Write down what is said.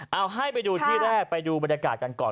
เอาให้ไปดูที่แรกไปดูบรรยากาศกันก่อน